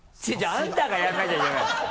あんたがやんなきゃいけないの！